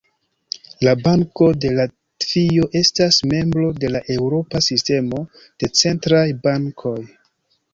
La Banko de Latvio estas membro de la Eŭropa Sistemo de Centraj Bankoj.